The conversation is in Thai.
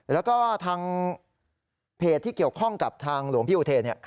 แล้วก็ทางเพจที่เกี่ยวข้องกับทางหลวงพี่อุเทน